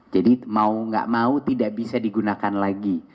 jadi mau tidak mau tidak bisa digunakan lagi